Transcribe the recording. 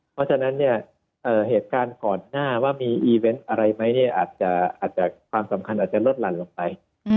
เพราะฉะนั้นเหตุการณ์ก่อนหน้าว่ามีอีเวนต์อะไรไหมความสำคัญอาจจะลดหลั่นลงไป